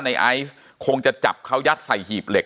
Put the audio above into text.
ไอซ์คงจะจับเขายัดใส่หีบเหล็